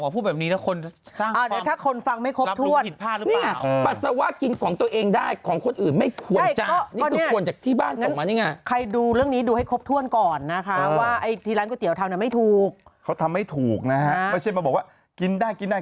ปกติจะเมื่อกี้มาบอกว่ากินได้กินได้